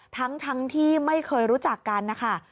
ทั้งที่ไม่เคยรู้จักกันนะคะ